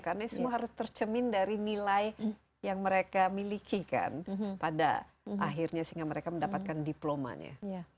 karena semua harus tercemin dari nilai yang mereka miliki kan pada akhirnya sehingga mereka mendapatkan diplomanya